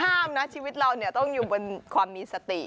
ห้ามนะชีวิตเราเนี่ยต้องอยู่บนความมีสติ